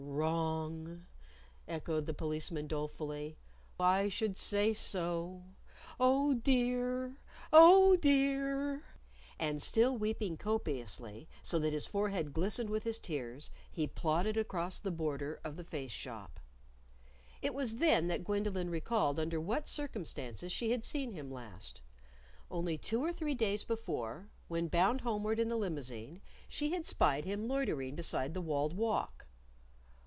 "Wrong!" echoed the Policeman dolefully. "I should say so! Oh, dear! Oh, dear!" And still weeping copiously, so that his forehead glistened with his tears, he plodded across the border of the Face Shop. It was then that Gwendolyn recalled under what circumstances she had seen him last. Only two or three days before, when bound homeward in the limousine, she had spied him loitering beside the walled walk.